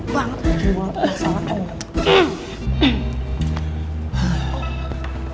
bang gue masalah banget